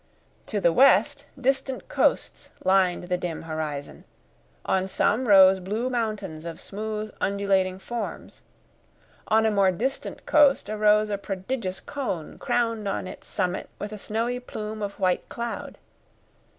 To the west distant coasts lined the dim horizon, on some rose blue mountains of smooth, undulating forms; on a more distant coast arose a prodigious cone crowned on its summit with a snowy plume of white cloud.